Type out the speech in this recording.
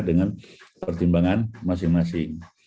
dengan pertimbangan masing masing